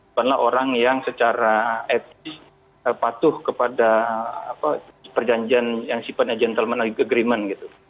itu adalah orang yang secara etis patuh kepada perjanjian yang simpannya gentleman agreement